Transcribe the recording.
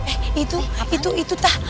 eh itu itu itu tah